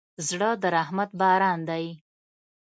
زړه د رحمت باران دی.